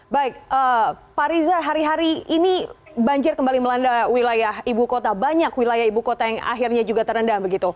baik pak riza hari hari ini banjir kembali melanda wilayah ibu kota banyak wilayah ibu kota yang akhirnya juga terendam